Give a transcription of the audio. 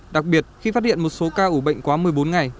đặc biệt khi phát hiện một số ca ủ bệnh quá một mươi bốn ngày